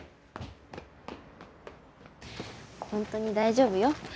本当に大丈夫よ。